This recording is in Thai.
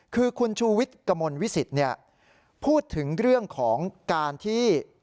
คือคุณชูวิทย์กระมวลวิสิตพูดถึงเรื่องของการที่